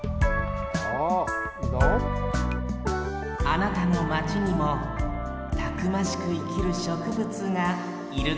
あなたのマチにもたくましくいきるしょくぶつがいるかもしれませんよ